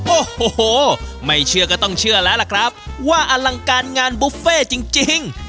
โอ้โหไม่เชื่อก็ต้องเชื่อแล้วล่ะครับว่าอลังการงานบุฟเฟ่จริง